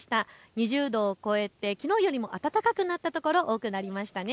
２０度を超えてきのうよりも暖かくなった所多くなりましたね。